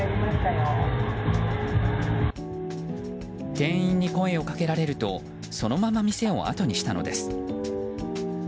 店員に声をかけられるとそのまま店をあとにしたのです。